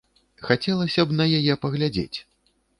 Хацелася б на яе паглядзець.